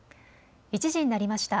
１時になりました。